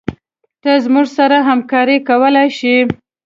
ته موږ سره همکارې کولي شي